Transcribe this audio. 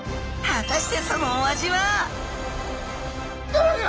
果たしてそのお味は！？